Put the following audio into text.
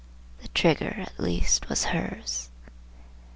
The trigger at least was hers!